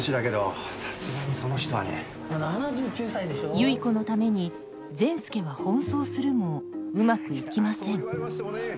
結子のために善輔は奔走するもうまくいきません。